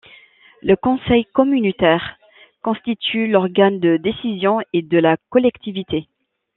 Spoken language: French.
Le conseil communautaire constitue l’organe de décision de la collectivité.